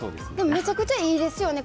めちゃくちゃいいですよね。